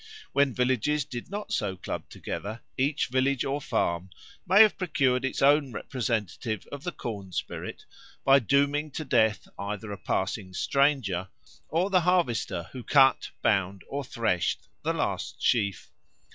When villages did not so club together, each village or farm may have procured its own representative of the corn spirit by dooming to death either a passing stranger or the harvester who cut, bound, or threshed the last sheaf.